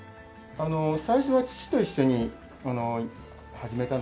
あの最初は父と一緒に始めたので。